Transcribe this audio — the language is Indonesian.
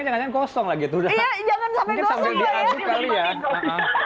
biasanya request an anak anak atau suami yang paling harus ada setiap tahun apa